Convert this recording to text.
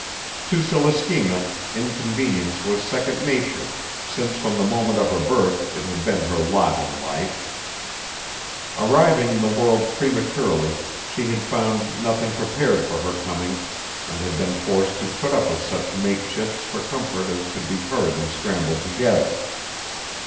To Celestina inconvenience was second nature since from the moment of her birth it had been her lot in life. Arriving in the world prematurely she had found nothing prepared for her coming and had been forced to put up with such makeshifts for comfort as could be hurriedly scrambled together.